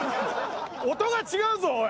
音が違うぞおい！